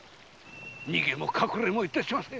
逃げも隠れも致しません。